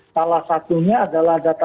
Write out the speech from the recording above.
salah satunya adalah data